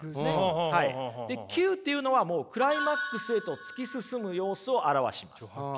で「急」っていうのはもうクライマックスへと突き進む様子を表します。